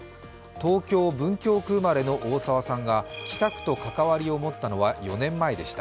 東京・文京区生まれの大沢さんが北区と関わりを持ったのは４年前でした。